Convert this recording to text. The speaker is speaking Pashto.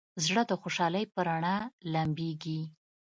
زړه د خوشحالۍ په رڼا لمبېږي.